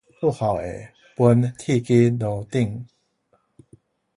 不孝的分鐵枝路頂